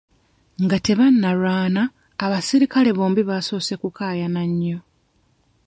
Nga tebannalwana, abasirikale bombi baasoose kukaayana nnyo.